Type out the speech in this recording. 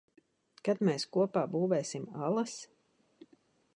Kad mēs kopā būvēsim alas?